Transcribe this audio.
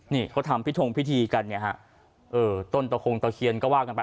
นี่เขาทำพิธงพิธีกันเนี่ยฮะเออต้นตะคงตะเคียนก็ว่ากันไป